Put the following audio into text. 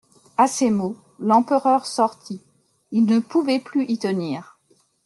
À ces mots l'empereur sortit : il ne pouvait plus y tenir.